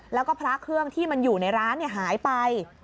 แล้วก็พระเครื่องที่มันอยู่ในร้านหายไป